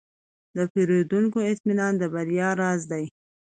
د پیرودونکو اطمینان د بریا راز دی.